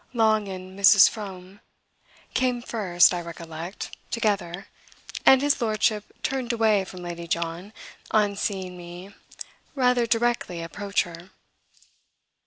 Long and Mrs. Froome came first, I recollect, together, and his lordship turned away from Lady John on seeing me rather directly approach her.